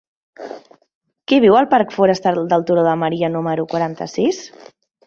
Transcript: Qui viu al parc Forestal del Turó de Maria número quaranta-sis?